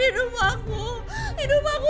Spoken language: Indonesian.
ini tujuan mutaku